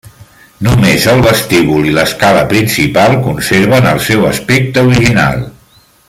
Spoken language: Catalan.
Només el vestíbul i l'escala principal conserven el seu aspecte original.